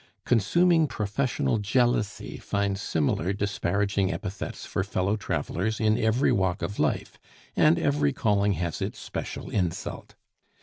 Consuming professional jealousy finds similar disparaging epithets for fellow travelers in every walk of life, and every calling has its special insult.